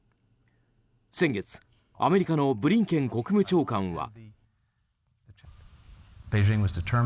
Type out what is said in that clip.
先月、アメリカのブリンケン国務長官は。